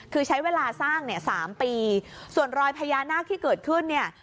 คือใช้เวลาสร้างเนี่ยสามปีส่วนรอยพญานาคที่เกิดขึ้นเนี่ย